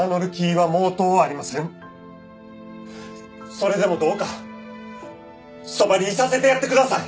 それでもどうかそばにいさせてやってください！